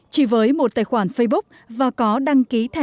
chỉ với một tài khoản facebook và có đăng ký